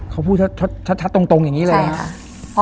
เขาพูดชัดตรงอย่างนี้เลยครับ